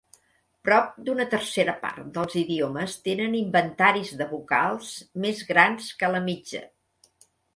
Prop d"una tercera part dels idiomes tenen inventaris de vocals més grans que la mitja.